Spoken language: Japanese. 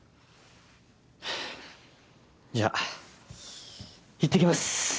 はぁじゃあいってきます。